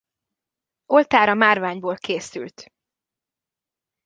Oltára márványból készült.